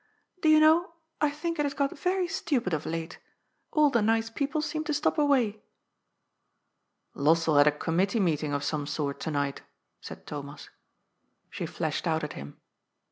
" Do you know, I think it has got very stupid of late. All the nice people seem to stop away.'' ^^Lossell had a committee meeting of some sort to night," said Thomas. She flashed out at him.